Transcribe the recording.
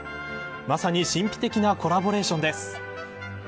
まさに神秘的なコラボレーションです。